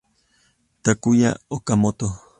Takuya Okamoto